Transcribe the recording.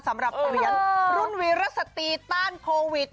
สำหรับเปลี่ยนรุ่นวิรัติสตีต้านโควิด